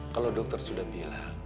kalo dokter sudah bilang